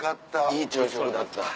いい朝食だった。